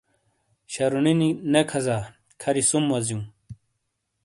شَرُونی نی نے کھازا کَھری سُم وازیوں۔